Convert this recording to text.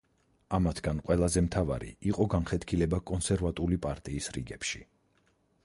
ამათგან ყველაზე მთავარი იყო განხეთქილება კონსერვატული პარტიის რიგებში.